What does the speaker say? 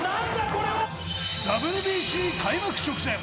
これはＷＢＣ開幕直前！